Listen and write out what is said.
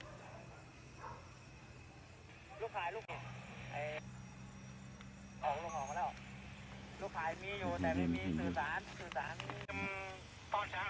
โทษอยู่กับจี๊พ่อระวังช้า